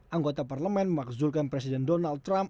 anggota parlemen memakzulkan presiden donald trump